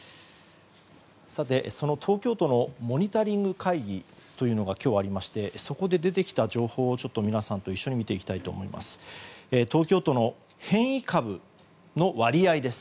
さて、その東京都のモニタリング会議というのが今日ありましてそこで出てきた情報を皆さんと一緒に見ていきたいと思います。